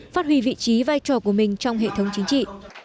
phát huy vị trí vai trò của mình trong hệ thống chính trị